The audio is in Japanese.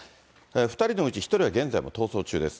２人のうち１人は現在も逃走中です。